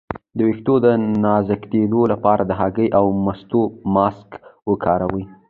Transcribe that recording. د ویښتو د نازکیدو لپاره د هګۍ او مستو ماسک وکاروئ